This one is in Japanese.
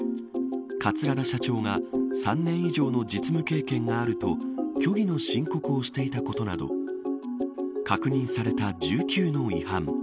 桂田社長が３年以上の実務経験があると虚偽の申告をしていたことなど確認された１９の違反。